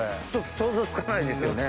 想像つかないですよね。